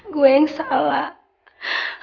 gue yang salah